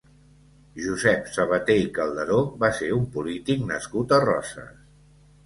Josep Sabaté i Calderó va ser un polític nascut a Roses.